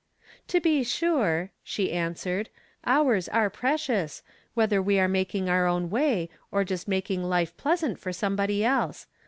•" To be sure," she answered, " hours are pre cious, whether we are making our own way or just making life pleasant for. somebody. else.